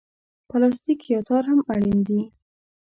پلاستیک یا تار هم اړین دي.